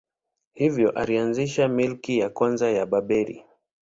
Hivyo alianzisha milki ya kwanza ya Babeli.